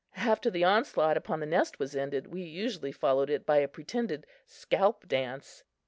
After the onslaught upon the nest was ended, we usually followed it by a pretended scalp dance.